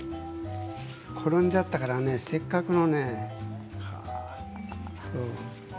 転んじゃったからねせっかくの。